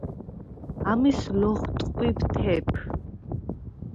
ამის ლოხტყვიბ თეფ.